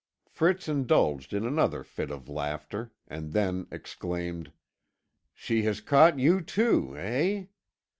Fritz indulged in another fit of laughter, and then exclaimed: "She has caught you too, eh?